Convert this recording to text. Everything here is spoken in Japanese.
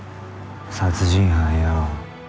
殺人犯よ。